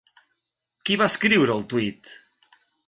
Qui va escriure el tuit?